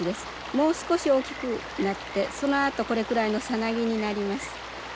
もう少し大きくなってそのあとこれくらいのサナギになります。